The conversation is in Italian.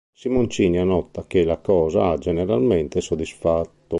Simoncini annota che "la cosa ha generalmente soddisfatto.